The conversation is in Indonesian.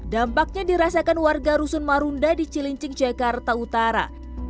dampaknya dirasakan warga rusun marunda di cilincing jakarta utara